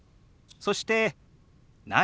そして「何？」。